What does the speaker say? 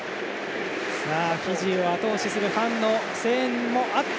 フィジーをあと押しするファンの声援もあって。